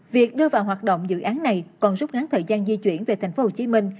việc đưa vào hoạt động dự án này còn rút ngắn thời gian di chuyển về tp hcm